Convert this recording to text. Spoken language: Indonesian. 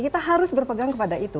kita harus berpegang kepada itu